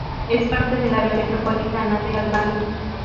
Es parte del área metropolitana de Albany.